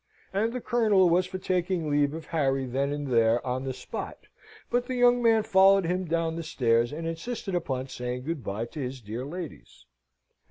And the Colonel was for taking leave of Harry then and there, on the spot, but the young man followed him down the stairs, and insisted upon saying good bye to his dear ladies.